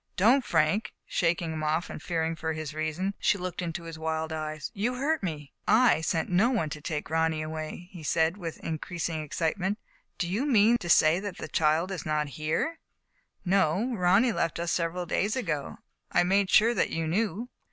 " Don't, Frank," shaking him off, and fearing for his reason as she looked into his wild eyes ;•* you hurt me." " I sent no one to take Ronny away," he said, with increasing excitement. " Do you mean to say that the child is not here ?"" No, Ronny left us several days ago. I made sure that you knew."